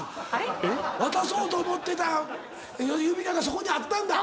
渡そうと思ってた指輪がそこにあったんだ！